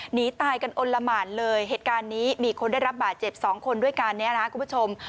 หนีตายกันอลละหมานเลยเหตุการณ์นี้มีคนได้รับบาดเจ็บสองคนด้วยการนี้นะครับคุณผู้ชม